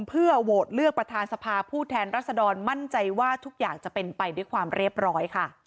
เพื่อโหวตเลือกประธานสภาผู้แทนรัศดรมั่นใจว่าทุกอย่างจะเป็นไปด้วยความเรียบร้อยค่ะ